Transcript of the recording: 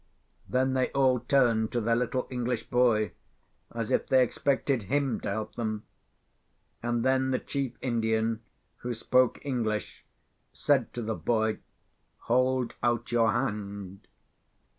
Then they all turned to their little English boy, as if they expected him to help them. And then the chief Indian, who spoke English, said to the boy, "Hold out your hand."